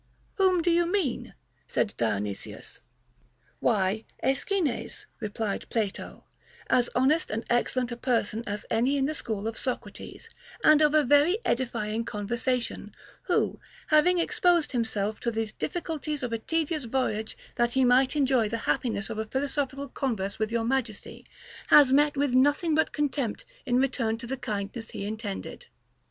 Whom do you mean, said Dionysius? Why, Aeschines, replied Plato, as honest and excellent a person as any in the school of Socrates, and of a very edifying conversation ; who, hav ing exposed himself to the difficulties of a tedious voyage that he might enjoy the happiness of a philosophical con verse with your majesty, has met with nothing but con tempt in return to the kindness he intended.